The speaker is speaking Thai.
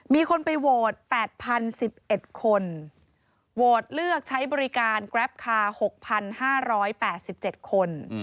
มีคนไปโหวต๘๐๑๑คนโหวตเลือกใช้บริการแกรปคาร์๖๕๘๗คน